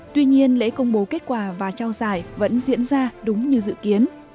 tuy nhiên lễ công bố kết quả và trao giải vẫn diễn ra đúng như dự kiến